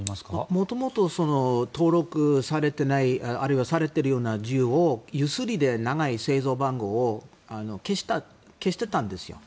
元々、登録されていないあるいはされているような銃をやすりで、いらない製造番号を消してたんですよ。